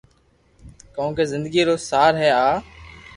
ڪونڪھ زندگي رو سار ھي آ